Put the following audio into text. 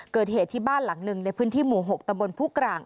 เกิดเหตุที่บ้านหลังหนึ่งในพื้นที่หมู่๖ตะบนผู้กร่าง